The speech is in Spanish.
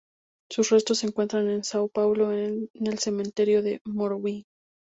Sus restos se encuentran en Sao Paulo en el cementerio de Morumbi.